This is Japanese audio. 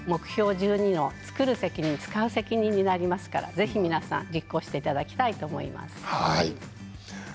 １２のつくる責任つかう責任になりますからぜひ皆さん実行していただきたいと思います。